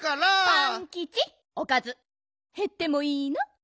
パンキチおかずへってもいいの？